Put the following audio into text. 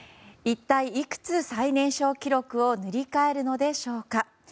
一体いくつ最年少記録を塗り替えるのでしょうか。